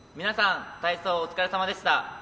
皆さん、体操お疲れさまでした。